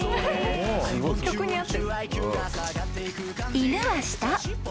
［犬は下。